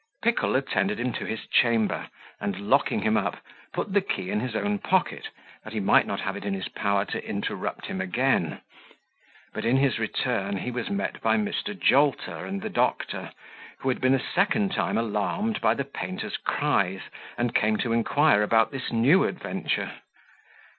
Pickle attended him to his chamber, and, locking him up, put the key in his own pocket, that he might not have it in his power to interrupt him again; but in his return he was met by Mr. Jolter and the doctor, who had been a second time alarmed by the painter's cries, and came to inquire about this new adventure.